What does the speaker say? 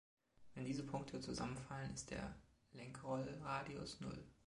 Wenn diese Punkte zusammenfallen, ist der Lenkrollradius Null.